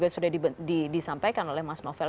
sudah disampaikan oleh mas novel